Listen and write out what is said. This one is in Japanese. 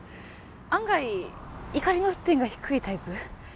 案外怒りの沸点が低いタイプ？